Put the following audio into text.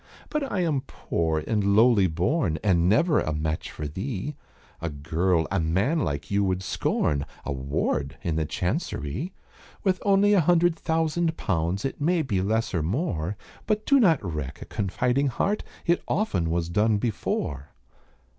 "But I am poor and lowly born, And never a match for thee A girl a man like you would scorn, A ward in the Chancerie, With only a hundred thousand pounds, It may be less or more; But do not wreck a confiding heart, It often was done before."